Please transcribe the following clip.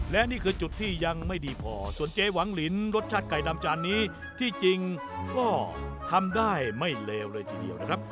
และนี่คือจุดที่ยังไม่ดีพอส่วนเจ๊หวังลินรสชาติไก่ดำจานนี้ที่จริงก็ทำได้ไม่เลวเลยทีเดียวนะครับ